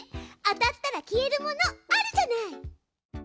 当たったら消えるものあるじゃない。